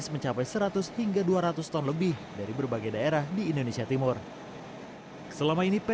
sepat sendiri memang kita kemas